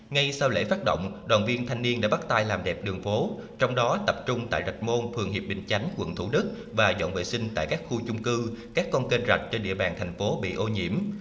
ngay sau lễ phát động đoàn viên thanh niên đã bắt tay làm đẹp đường phố trong đó tập trung tại rạch môn phường hiệp bình chánh quận thủ đức và dọn vệ sinh tại các khu chung cư các con kênh rạch trên địa bàn thành phố bị ô nhiễm